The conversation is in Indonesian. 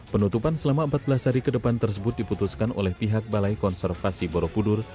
penutupan selama empat belas hari ke depan tersebut diputuskan oleh pihak balai konservasi borobudur